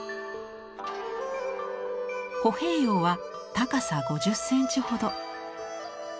歩兵俑は高さ５０センチほど。